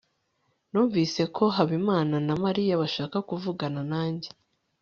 numvise ko habimana na mariya bashaka kuvugana nanjye